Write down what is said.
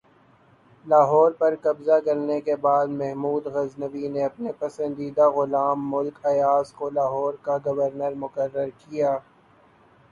لاہور پر قبضہ کرنے کے بعد محمود غزنوی نے اپنے پسندیدہ غلام ملک ایاز کو لاہور کا گورنر مقرر کیا